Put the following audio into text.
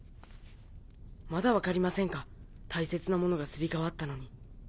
まだ分かりませんか大切なものがすり替わったのに。